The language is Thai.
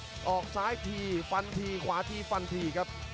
ออกซ้ายทีฟันทีขวาทีฟันทีครับ